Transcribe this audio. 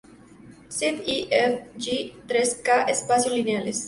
Sean E, F y G tres K- espacios lineales.